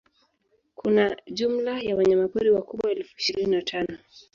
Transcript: kuna jumla ya wanyamapori wakubwa elfu ishirini na tano